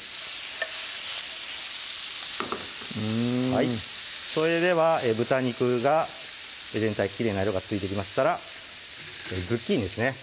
うんそれでは豚肉が全体にきれいな色がついてきましたらズッキーニですね